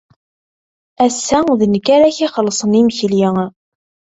Ass-a, d nekk ara ak-ixellṣen imekli.